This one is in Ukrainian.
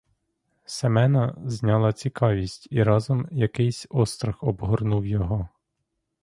Семена зняла цікавість, і разом якийсь острах обгорнув його.